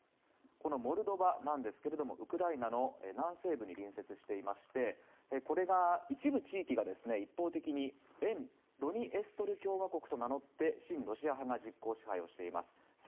このモルドバなんですがウクライナの南西部に隣接していましてこれが一部地域が一方的に沿ドニエストル共和国と名乗って親ロシア派が実効支配しています。